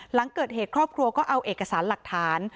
หลังเกิดเหตุครอบครัวก็เอาเอกสารหลักฐาน